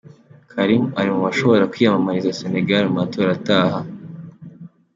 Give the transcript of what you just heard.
Karim ari mu bashobora kwiyamamariza Senegal mu matora ataha.